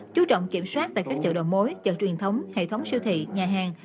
chú trọng kiểm soát tại các chợ đầu mối chợ truyền thống hệ thống siêu thị nhà hàng